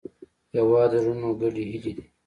هېواد د زړونو ګډې هیلې دي.